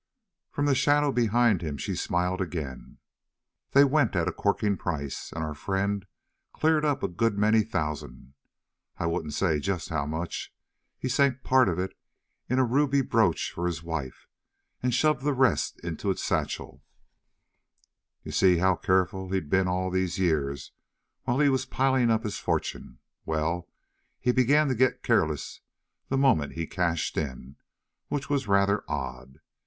From the shadow behind him she smiled again. "They went at a corking price, and our friend cleared up a good many thousand I won't say just how much. He sank part of it in a ruby brooch for his wife, and shoved the rest into a satchel. "You see how careful he'd been all those years while he was piling up his fortune? Well, he began to get careless the moment he cashed in, which was rather odd.